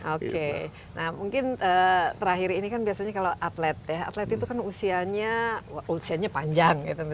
oke nah mungkin terakhir ini kan biasanya kalau atlet ya atlet itu kan usianya usianya panjang gitu